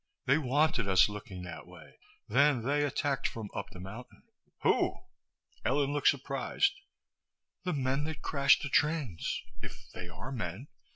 "They wanted us looking that way. Then they attacked from up the mountain." "Who?" Ellen looked surprised. "The men that crashed the trains ... if they are men.